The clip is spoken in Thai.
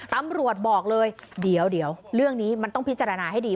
ตำรวจบอกเลยเดี๋ยวเรื่องนี้มันต้องพิจารณาให้ดี